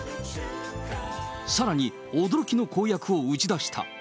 さらに驚きの公約を打ち出した。